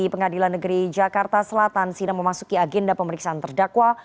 pengadilan negeri jakarta selatan sinam memasuki agenda pemeriksaan terdakwa